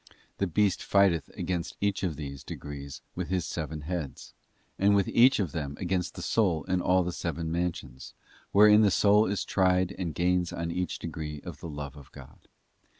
The beast fighteth against each of these degrees with his seven heads; and with each one of them against the soul in all the seven mansions, wherein the soul is tried and gains each degree of the love of God.